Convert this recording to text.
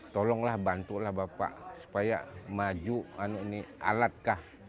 tolonglah bantulah bapak supaya maju alatkah